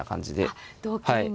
あっ同桂に。